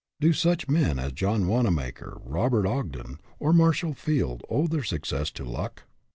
Do such men as John Wanamaker, Robert Ogden, or Marshall Field owe their success to luck?